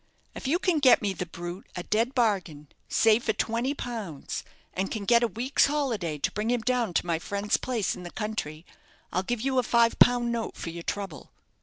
If you can get me the brute a dead bargain, say for twenty pounds, and can get a week's holiday to bring him down to my friend's place in the country, I'll give you a five pound note for your trouble."